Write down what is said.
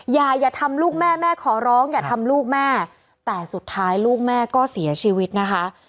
อย่าอย่าทำลูกแม่แม่ขอร้องอย่าทำลูกแม่แต่สุดท้ายลูกแม่ก็เสียชีวิตนะคะ